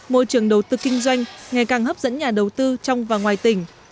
môi trường đầu tư kinh doanh ngày càng hấp dẫn nhà đầu tư trong và ngoài tỉnh